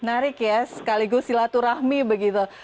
menarik ya sekaligus silaturahmi begitu